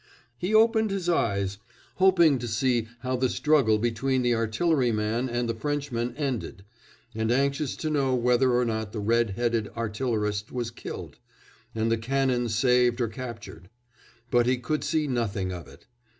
"He opened his eyes, hoping to see how the struggle between the artilleryman and the Frenchman ended, and anxious to know whether or not the red headed artillerist was killed, and the cannon saved or captured. But he could see nothing of it.